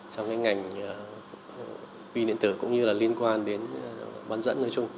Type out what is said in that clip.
trong ngành vi điện tử cũng như liên quan đến bán dẫn